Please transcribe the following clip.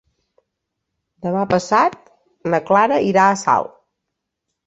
Demà passat na Carla irà a Salt.